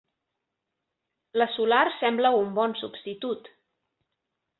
La solar sembla un bon substitut.